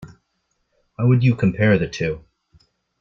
How would you compare the two?